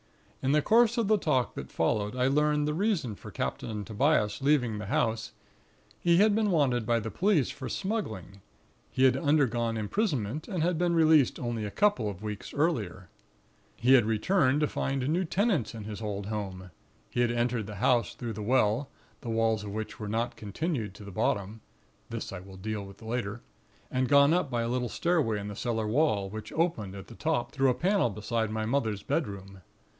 In the course of the talk that followed, I learned the reason for Captain Tobias leaving the house; he had been wanted by the police for smuggling. He had undergone imprisonment; and had been released only a couple of weeks earlier. "He had returned to find new tenants in his old home. He had entered the house through the well, the walls of which were not continued to the bottom (this I will deal with later); and gone up by a little stairway in the cellar wall, which opened at the top through a panel beside my mother's bedroom.